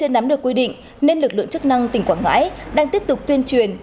nếu xe chưa nắm được quy định nên lực lượng chức năng tỉnh quảng ngãi đang tiếp tục tuyên truyền